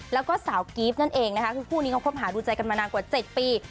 แล้วก็สาวกีฟคู่นี้คงพบหาดูใจกันมานานกว่า๗ปี